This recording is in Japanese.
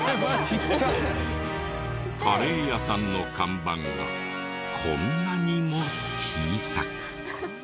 カレー屋さんの看板がこんなにも小さく。